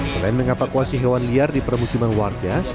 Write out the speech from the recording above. selain mengevakuasi hewan liar di permukiman warga